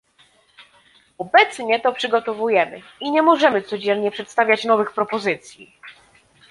Obecnie to przygotowujemy i nie możemy codziennie przedstawiać nowych propozycji